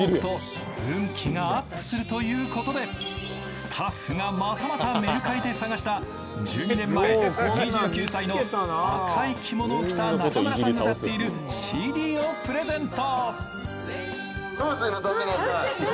スタッフがまたまたメルカリで探した１２年前、２９歳の赤い着物を着た中村さんが歌っているＣＤをプレゼント。